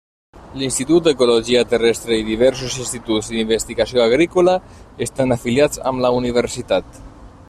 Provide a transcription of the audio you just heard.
L'Institut d'Ecologia Terrestre i diversos instituts d'investigació agrícola, estan afiliats amb la universitat.